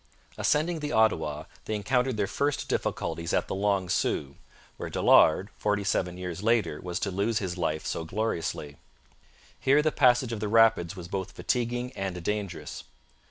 Ascending the Ottawa, they encountered their first difficulties at the Long Sault, where Dollard forty seven years later was to lose his life so gloriously. Here the passage of the rapids was both fatiguing and dangerous.